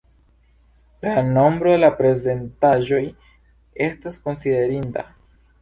La nombro de prezentaĵoj estas konsiderinda.